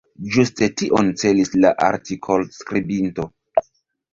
Ĝuste tion celis la artikol-skribinto.